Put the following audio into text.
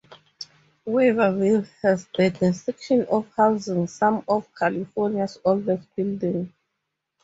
Weaverville has the distinction of housing some of California's oldest buildings.